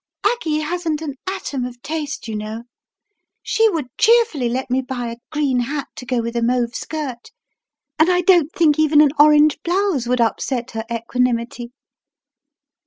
"Aggie hasn't an atom of taste, you know. She would cheerfully let me buy a green hat to go with a mauve skirt, and I don't think even an orange blouse would upset her equanimity."